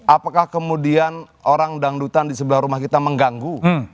apakah kemudian orang dangdutan di sebelah rumah kita mengganggu